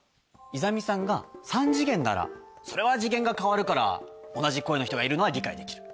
イザミさんが３次元ならそれは次元が変わるから同じ声の人がいるのは理解できる。